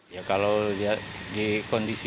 ya kalau di kondisi